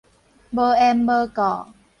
無緣無故